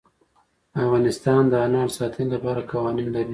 افغانستان د انار د ساتنې لپاره قوانین لري.